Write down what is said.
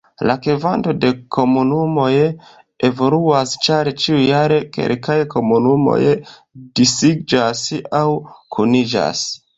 La kvanto da komunumoj evoluas, ĉar ĉiujare, kelkaj komunumoj disiĝas aŭ kuniĝas.